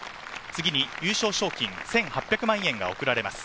次に優勝賞金１８００万円が贈られます。